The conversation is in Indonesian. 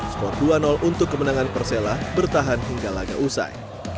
skor dua untuk kemenangan persela bertahan hingga laga usai